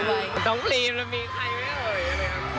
แล้วมีใครไม่เหลือหรือครับ